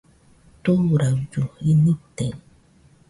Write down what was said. Turaillu nite